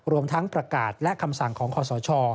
รวมทั้งประกาศและคำสั่งของคอสช